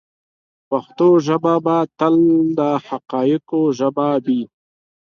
پښتو ژبه به تل د حقایقو ژبه وي.